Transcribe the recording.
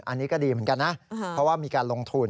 อันนี้ก็ดีเหมือนกันนะเพราะว่ามีการลงทุน